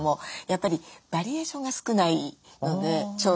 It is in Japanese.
やっぱりバリエーションが少ないので調理の。